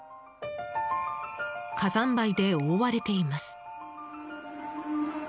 火山灰で覆われています。